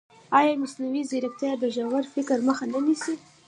ایا مصنوعي ځیرکتیا د ژور فکر مخه نه نیسي؟